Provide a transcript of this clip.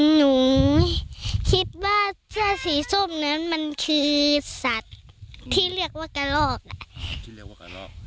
หนูคิดว่าเสื้อสีส้มนั้นมันคือสัตว์ที่เรียกว่ากระลอกอ่ะที่เรียกว่ากระลอก